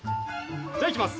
じゃあいきます。